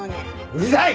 うるさい！